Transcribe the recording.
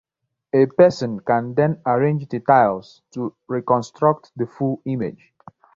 A person can then arrange the tiles to reconstruct the full image.